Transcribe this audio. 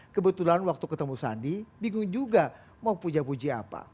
kebetulan waktu ketemu sandi bingung juga mau puja puji apa